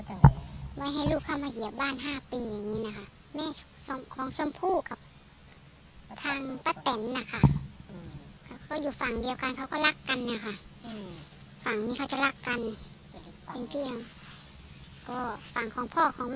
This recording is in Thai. เหรืออีกฝั่งหนึ่ง